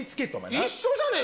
一緒じゃねぇか。